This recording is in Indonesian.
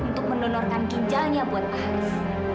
untuk mendonorkan ginjalnya buat pak haris